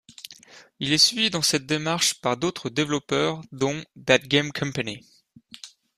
Il est suivi dans cette démarche par d’autres développeurs, dont thatgamecompany.